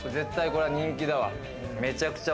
これは人気だわ。